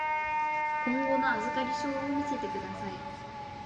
今後の預かり証を見せてください。